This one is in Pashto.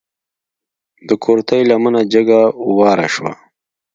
د کورتۍ لمنه جګه واره شوه.